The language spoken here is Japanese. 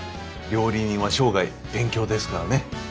料理人は生涯勉強ですからね。